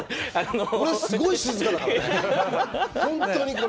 俺、すごい静かだからね。